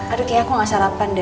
aduh kayaknya aku gak sarapan deh